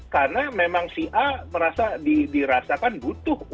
karena memang si a merasa dirasakan butuh untuk